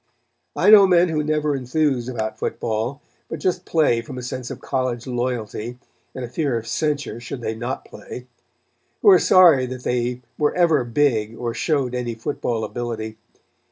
I know men who never enthuse over football, but just play from a sense of college loyalty, and a fear of censure should they not play; who are sorry that they were ever big or showed any football ability.